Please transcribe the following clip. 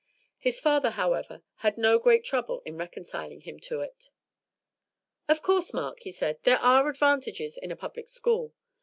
His father, however, had no great trouble in reconciling him to it. "Of course, Mark," he said, "there are advantages in a public school.